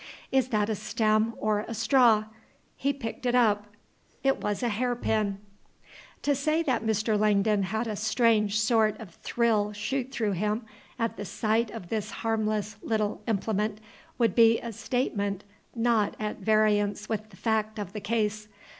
Is that a stem or a straw? He picked it up. It was a hair pin. To say that Mr. Langdon had a strange sort of thrill shoot through him at the sight of this harmless little implement would be a statement not at variance with the fact of the case.